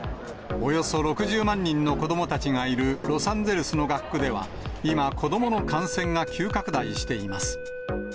およそ６０万人の子どもたちがいるロサンゼルスの学区では、今、子どもの感染が急拡大しています。